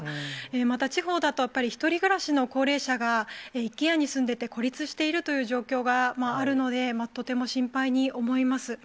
また地方だとやっぱり、１人暮らしの高齢者が一軒家に住んでて、孤立しているという状況があるので、とても心配に思います。